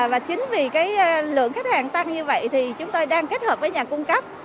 và chính vì lượng khách hàng tăng như vậy thì chúng tôi đang kết hợp với nhà cung cấp